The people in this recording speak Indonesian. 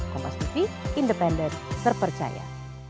kompas tv independen terpercaya